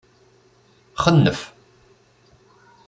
Xennef.